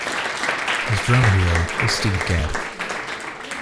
His drum hero is Steve Gadd.